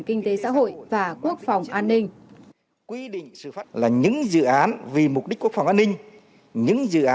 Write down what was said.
kinh tế xã hội và quốc phòng an ninh